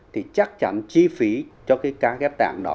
thì chắc chắn chi phí cho cái ca ghép tạng đó